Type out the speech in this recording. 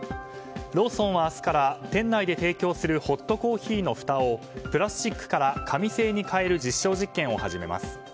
ローソンは明日から店内で提供するホットコーヒーのふたをプラスチックから紙製に変える実証実験を始めます。